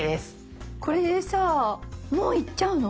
これでさぁもういっちゃうの？